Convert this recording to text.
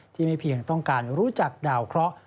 ไม่เพียงต้องการรู้จักดาวเคราะห์